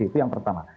itu yang pertama